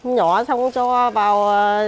nhỏ xong cho vào